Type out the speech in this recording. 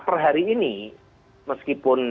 perhari ini meskipun